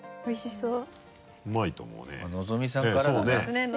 そう！